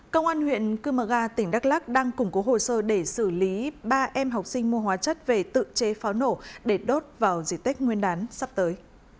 công an huyện cư mờ ga tỉnh đắk lắc đang củng cố hồ sơ để xử lý ba em học sinh mua hóa chất về tự chế pháo nổ để đốt vào di tích nguyên đán sắp tới